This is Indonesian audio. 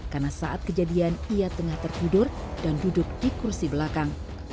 karena saat kejadian ia tengah terkudur dan duduk di kursi belakang